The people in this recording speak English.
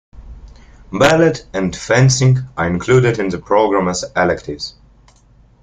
Ballet and Fencing are included in the program as electives.